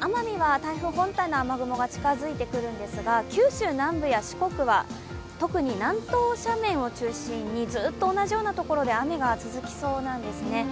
奄美は台風本体の雨雲が近づいてくるんですが、九州南部や四国は特に南東斜面を中心にずっと同じような所で雨が続きそうなんですね。